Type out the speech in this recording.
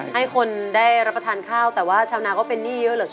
ให้คนได้รับประทานข้าวแต่ว่าชาวนาก็เป็นหนี้เยอะเหลือเกิน